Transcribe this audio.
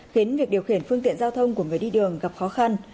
khiến việc điều khiển phương tiện giao thông của người đi đường gặp khó khăn